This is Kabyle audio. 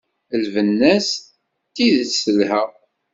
Lbenna-s d tidet telha!